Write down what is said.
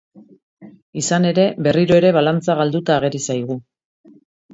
Izan ere berriro ere balantza galduta ageri zaigu.